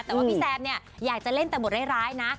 แต่ว่าพี่แซมเนี่ยอยากจะเล่นแต่บทร้ายนะ